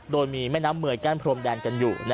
โดยมีแม่น้ำเมยกั้นพรมแดนกันอยู่